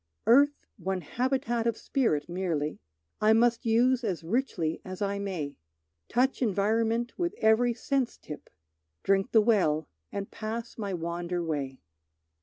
Earth one habitat of spirit merely, I must use as richly as I may, Touch environment with every sense tip, Drink the well and pass my wander way.